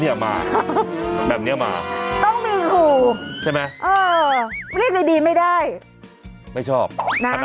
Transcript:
ใช้เมียได้ตลอด